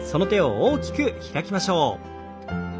大きく開きましょう。